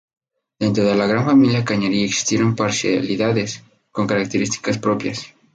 Dentro de la gran familia cañari existieron parcialidades con características propias.